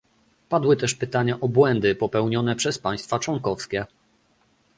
Padły też pytania o błędy popełnione przez państwa członkowskie